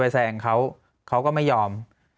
แซงเขาเขาก็ไม่ยอม